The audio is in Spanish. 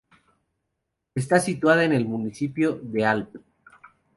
Está situada en el municipio de Alp.